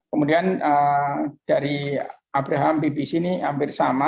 kemudian dari abraham bibi sini hampir sama